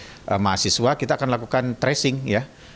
kalau memang terjadi mahasiswa kita akan lakukan tracing ya